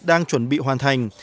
đang chuẩn bị hoàn thành